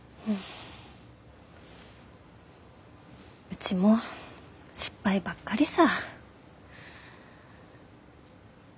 うちも失敗ばっかりさ。